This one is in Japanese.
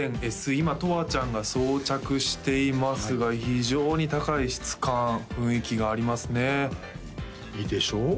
今とわちゃんが装着していますが非常に高い質感雰囲気がありますねいいでしょう？